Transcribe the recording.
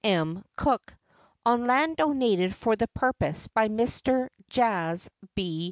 M. Cooke on land donated for the purpose by Mr. Jas. B.